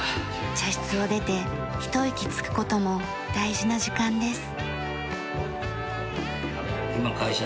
茶室を出てひと息つく事も大事な時間です。